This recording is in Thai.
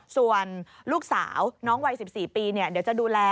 ส่วนลูกสาวน้องวัย๑๔ปีเดี๋ยวจะดูแล